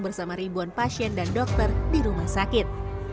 bersama ribuan pasien dan dokter di rumah sakit